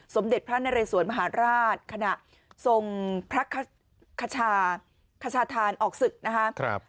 สมเด็จพระนเรสวนมหาราชขณะทรงพระคชาธานออกศึกนะครับ